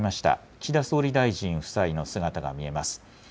岸田総理大臣夫妻の姿が見えます。